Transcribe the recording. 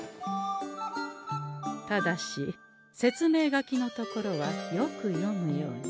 ただし説明書きのところはよく読むように。